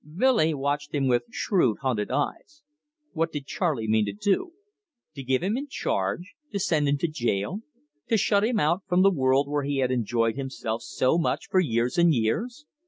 Billy watched him with shrewd, hunted eyes. What did Charley mean to do? To give him in charge? To send him to jail? To shut him out from the world where he had enjoyed himself so much for years and years?